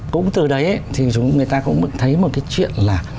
cũng từ đấy thì người ta cũng thấy một cái chuyện là